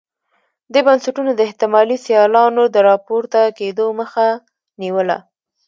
دې بنسټونو د احتمالي سیالانو د راپورته کېدو مخه نیوله.